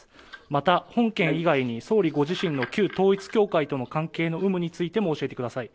また、本件以外に総理ご自身の旧統一教会との関係の有無についても教えてください。